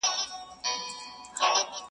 • خریدار چي سوم د اوښکو دُر دانه سوم,